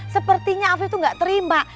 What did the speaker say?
sepertinya afif tuh gak terima